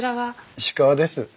石川です。